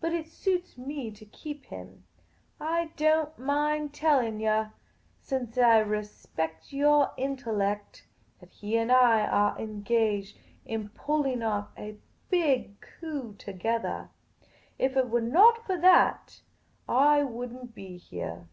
But it suits me to keep him. I don't mind telling yah, since I re spect your intellect, that he and I are engaged in pulling off a big coup togethah. If it were not for that, I would n't be heah.